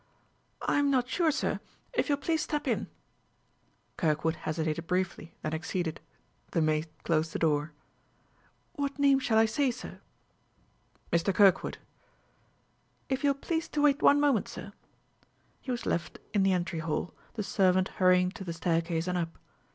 "I'm not sure, sir. If you will please step in." Kirkwood hesitated briefly, then acceded. The maid closed the door. "What name shall I say, sir?" "Mr. Kirkwood." "If you will please to wait one moment, sir " He was left in the entry hall, the servant hurrying to the staircase and up.